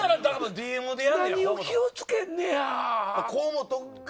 何を気を付けんねや。